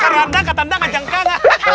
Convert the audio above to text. pakar randang katanda ngajangka ga